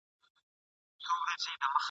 د سندرغاړو لپاره !.